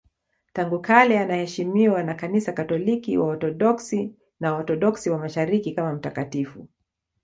Tangu kale anaheshimiwa na Kanisa Katoliki, Waorthodoksi na Waorthodoksi wa Mashariki kama mtakatifu.